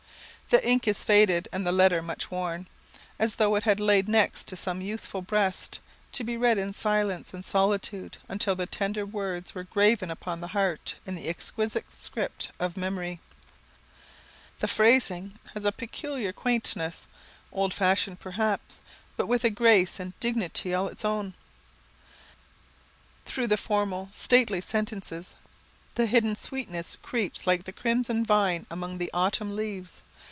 The ink is faded and the letter much worn, as though it had lain next to some youthful breast, to be read in silence and solitude until the tender words were graven upon the heart in the exquisite script of Memory. The phrasing has a peculiar quaintness, old fashioned, perhaps, but with a grace and dignity all its own. Through the formal, stately sentences the hidden sweetness creeps like the crimson vine upon the autumn leaves.